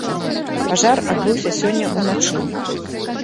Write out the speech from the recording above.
Пажар адбыўся сёння ўначы.